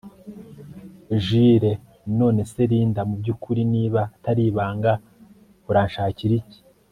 Jule none se Linda mubyukuri niba ataribanga uranshakiriki